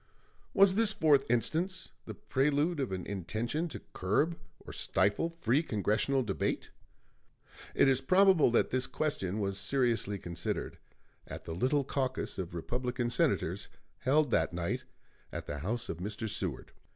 Was this fourth instance the prelude of an intention to curb or stifle free Congressional debate? It is probable that this question was seriously considered at the little caucus of Republican Senators held that night at the house of Mr. Seward.